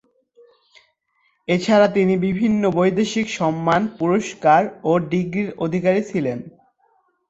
এ ছাড়া তিনি বিভিন্ন বৈদেশিক সম্মান, পুরস্কার ও ডিগ্রির অধিকারী ছিলেন।